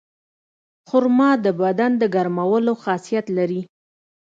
خرما د بدن د ګرمولو خاصیت لري.